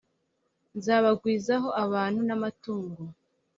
nzabagwizaho abantu n amatungo